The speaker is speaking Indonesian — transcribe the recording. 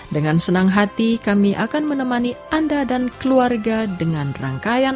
dengan senang hati kami akan menemani anda dan keluarga